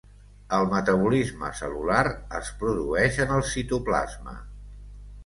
El metabolisme cel·lular es produeix en el citoplasma.